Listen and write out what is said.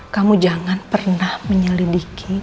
kamu jangan pernah menyelidiki